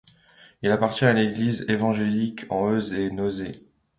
Elle appartient à l'Église évangélique en Hesse et Nassau.